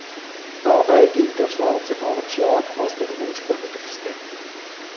Dabei gilt der schwarze Farbschlag als der ursprünglichste.